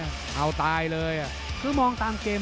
เผ่าฝั่งโขงหมดยก๒